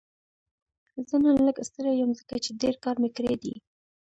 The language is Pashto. زه نن لږ ستړی یم ځکه چې ډېر کار مې کړی دی